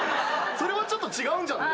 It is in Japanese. それはちょっと違うんじゃない？